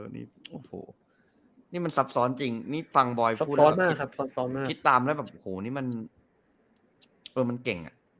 นี่มันต่อกรณ์ซับสอนจริงฟังหล่อก็มันเก่ง